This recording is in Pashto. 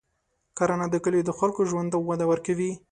کرنه د کلیو د خلکو ژوند ته وده ورکوي.